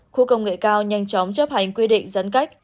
khu công nghệ cao nhanh chóng chấp hành quy định dắn cách